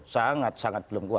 sangat sangat belum kuat